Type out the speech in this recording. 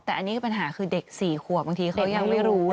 แต่อันนี้คือปัญหาคือเด็ก๔ขวบบางทีเขายังไม่รู้